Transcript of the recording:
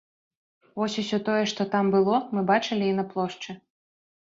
Вось усё тое, што там было, мы бачылі і на плошчы.